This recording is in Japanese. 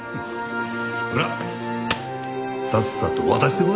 ほらさっさと渡してこい！